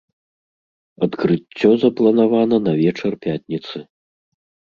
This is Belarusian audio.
Адкрыццё запланавана на вечар пятніцы.